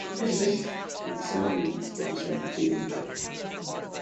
He would serve in this position until his death.